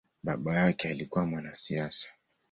Baba yake alikua mwanasiasa.